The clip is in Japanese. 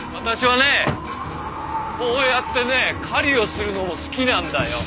私はねこうやってね狩りをするのも好きなんだよ。